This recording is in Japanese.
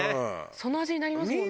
その味になりますもんね。